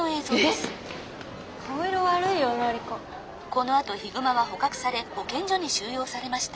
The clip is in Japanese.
「このあとヒグマは捕獲され保健所に収容されました」。